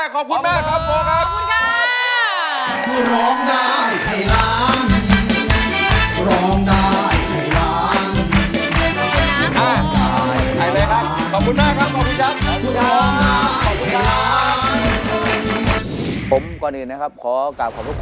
ขอบคุณมากครับโฟร์ครับ